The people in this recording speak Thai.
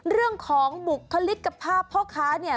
เรื่องของบุคลิกภาพพ่อค้าเนี่ย